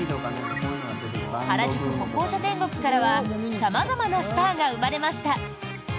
原宿・歩行者天国からは様々なスターが生まれました。